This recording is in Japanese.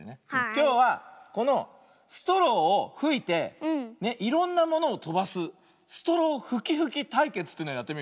きょうはこのストローをふいていろんなものをとばす「ストローふきふきたいけつ」というのをやってみるよ。